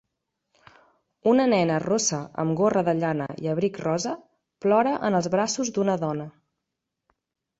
una nena rossa amb gorra de llana i abric rosa plora en els braços d'una dona.